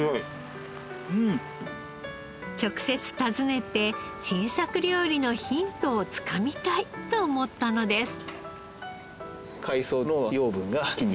直接訪ねて新作料理のヒントをつかみたいと思ったのです。